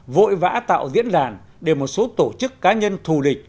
vội vã tạo diễn đàn để một số tổ chức cá nhân thù địch